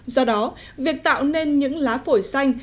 do đó việc tạo nên những lá phổi xanh